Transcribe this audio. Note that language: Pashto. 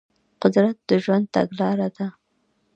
قدرت د ژوند تګلاره ده.